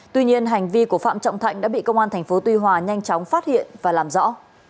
tuy nhiên hành vi của phạm trọng thạnh đã bị công an tp tuy hòa nhanh chóng phát hiện và làm rõ